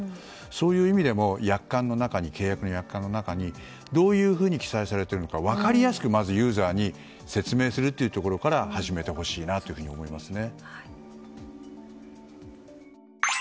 そういう意味でも契約の約款の中にどういうふうに記載されているのか分かりやすくユーザーに説明するということから始めてほしいなと思いますね。